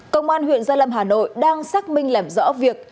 công an huyện gia lâm hà nội đang xác minh làm rõ việc